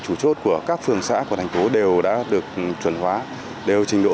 chủ chốt của các phường xã của thành phố đều đã được chuẩn hóa đều trình độ